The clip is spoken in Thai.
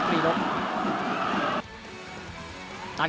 สวัสดีครับ